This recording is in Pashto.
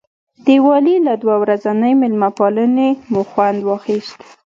د والي له دوه ورځنۍ مېلمه پالنې مو خوند واخیست.